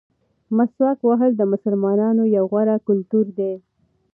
مسواک وهل د مسلمانانو یو غوره کلتور دی.